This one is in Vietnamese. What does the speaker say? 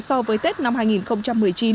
so với tết năm hai nghìn một mươi chín